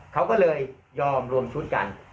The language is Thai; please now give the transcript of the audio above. เขาก็เลยยอมรวมชุดกัน